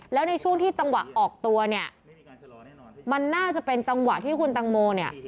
แล้วในช่วงที่จังหวะออกตัวเนี่ยมันน่าจะเป็นจังหวะที่คุณตังโมเนี่ย